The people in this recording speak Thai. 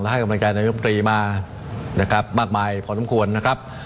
ให้กำลังใจนายมตรีมานะครับมากมายพอสมควรนะครับ